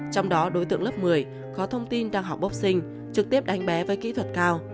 trong đó đối tượng lớp một mươi có thông tin đang học boxi trực tiếp đánh bé với kỹ thuật cao